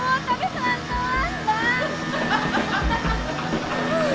tapi pelan pelan bang